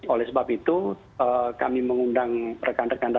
oleh sebab itu kami mengundang rekan rekan dari knri